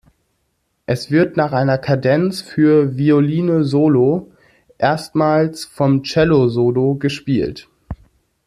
Es wird nach einer Kadenz für Violine solo erstmals vom Cello solo gespielt.